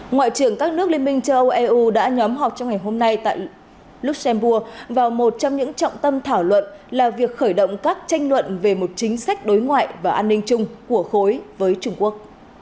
ngoại trưởng các nước liên minh châu âu eu đã nhóm họp trong ngày hôm nay tại luxembourg vào một trong những trọng tâm thảo luận là việc khởi động các tranh luận về một chính sách đối ngoại và an ninh chung của khối với trung quốc